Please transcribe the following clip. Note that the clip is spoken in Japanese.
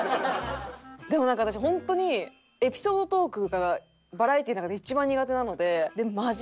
でもなんか私ホントにエピソードトークがバラエティーの中で一番苦手なので。